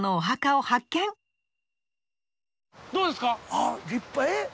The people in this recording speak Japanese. あっ立派え？